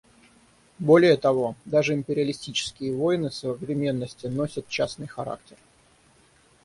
Более того, даже империалистические войны современности носят частный характер.